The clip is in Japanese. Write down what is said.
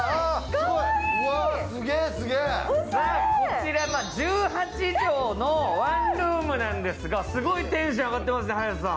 こちら、１８畳のワンルームなんですが、すごいテンション上がってますね、早瀬さん。